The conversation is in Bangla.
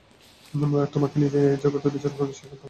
তোমাকে নিজে এই জগতে বিচরণ করে বিশ্বাস করতে হবে!